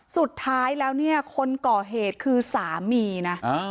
สุดท้ายแล้วเนี่ยคนก่อเหตุคือสามีนะ